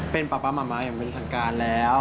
เป็นป๊าป๊าม้าอย่างเป็นทางการแล้ว